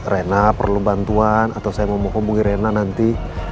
rena perlu bantuan atau saya mau menghubungi rena nanti